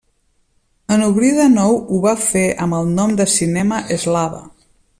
En obrir de nou ho va fer amb el nom de Cinema Eslava.